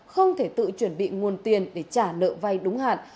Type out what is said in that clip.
không thể tự chuẩn bị nguồn tiền để trả nợ vay đúng hạn